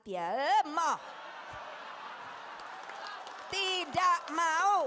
tidak mau tidak mau tidak mau